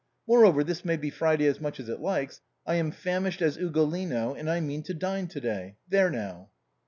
Moreover, this may be Friday as much as it likes ; I am as famished as Ugolino, and I mean to dine to day. There now